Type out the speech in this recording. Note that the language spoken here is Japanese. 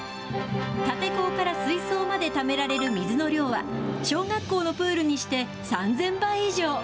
立て坑から水槽までためられる水の量は、小学校のプールにして３０００倍以上。